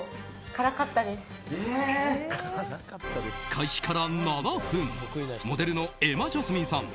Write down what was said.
開始から７分モデルの瑛茉ジャスミンさん